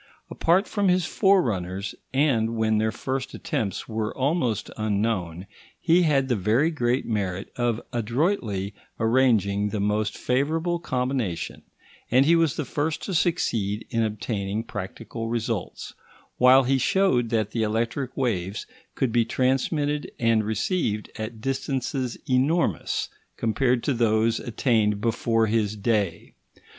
Apart from his forerunners, and when their attempts were almost unknown, he had the very great merit of adroitly arranging the most favourable combination, and he was the first to succeed in obtaining practical results, while he showed that the electric waves could be transmitted and received at distances enormous compared to those attained before his day.